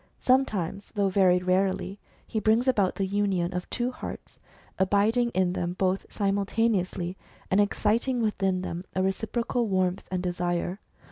Sometimes, though very rarely, he brings about the union of two hearts, abiding in them both simul taneously, and exciting within them a reciprocal warmth and desire.